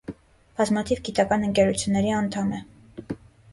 Բազմաթիվ գիտական ընկերությունների անդամ է։